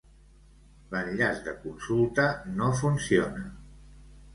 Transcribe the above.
L'enllaç de consulta no funciona.